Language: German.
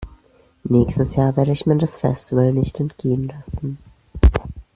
Nächstes Jahr werde ich mir das Festival nicht entgehen lassen.